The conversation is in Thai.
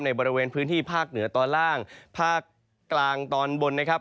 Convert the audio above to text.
บริเวณพื้นที่ภาคเหนือตอนล่างภาคกลางตอนบนนะครับ